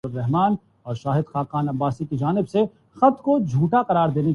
یہ کیسے ویران ہوا وہ الگ داستان ہے۔